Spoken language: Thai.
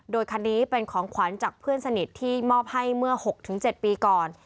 โดยคันนี้เป็นของขวัญจากเพื่อนสนิทที่มอบให้เมื่อ๖๗ปีก่อน